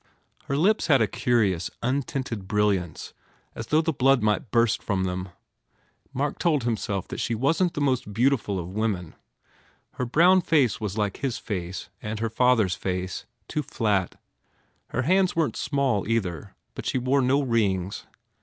Her lips had a curious, untinted brilliance as though the blood might burst from them. Dizzy Mark told himself that she wasn t the most beauti ful of women. Her brown face was like his face and her father s face, too flat. Her hands weren t small, either, but she wore no rings.